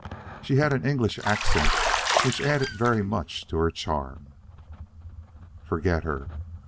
"She had an English accent which added very much to her charm." "Forget her."